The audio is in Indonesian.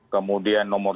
kemudian nomor tiga belas